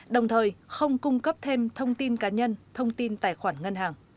đồng thời không cung cấp thêm thông tin cá nhân thông tin tài khoản ngân hàng